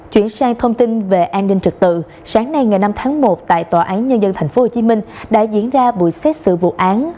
chuyển sang thông tin về an ninh trực tự sáng nay ngày năm tháng một tại tòa án nhân dân tp hcm đã diễn ra buổi xét xử vụ án